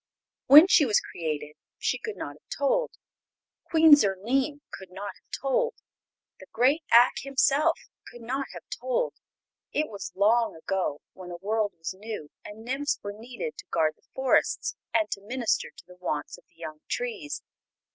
When she was created she could not have told; Queen Zurline could not have told; the great Ak himself could not have told. It was long ago when the world was new and nymphs were needed to guard the forests and to minister to the wants of the young trees.